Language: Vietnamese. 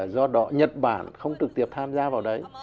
do đó nhật bản không trực tiếp tham gia